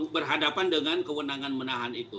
berhadapan dengan kewenangan menahan itu